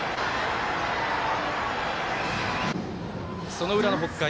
その裏の北海。